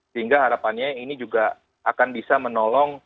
sehingga harapannya ini juga akan bisa menolong